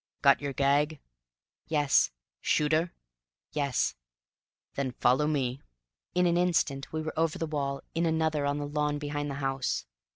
"Got your gag?" "Yes." "Shooter?" "Yes." "Then follow me." In an instant we were over the wall, in another on the lawn behind the house.